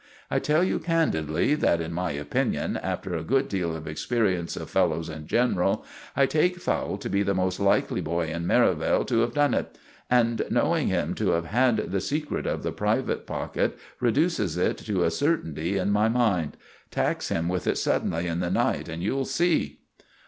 I tell you candidly that, in my opinion, after a good deal of experience of fellows in general, I take Fowle to be the most likely boy in Merivale to have done it; and knowing him to have had the secret of the private pocket reduces it to a certainty in my mind. Tax him with it suddenly in the night, and you'll see."